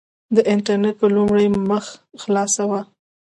د انټرنېټ په لومړۍ مخ خلاصه وه.